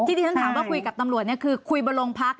เค้าบอกว่าคุยกับตำรวจคือคุยบรรลงพัก